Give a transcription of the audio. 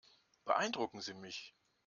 Beeindrucken Sie mich.